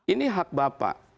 ini hak bapak